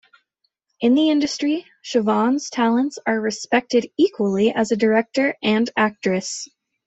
In the industry, Chauvin's talents are respected equally as a director and actress.